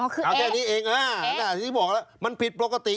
อ๋อคือแอ๊ะแอ๊ะอ๋อนี่บอกแล้วมันผิดปกติ